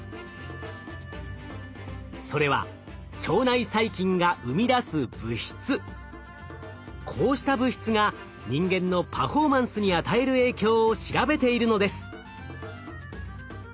それはこうした物質が人間のパフォーマンスに与える影響を調べているのです。